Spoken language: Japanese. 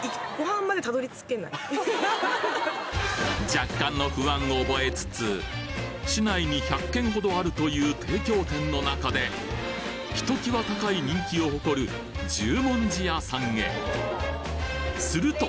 若干の不安を覚えつつ市内に１００軒ほどあるという提供店の中でひときわ高い人気を誇る十文字屋さんへすると！